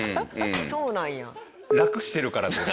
そうなんや。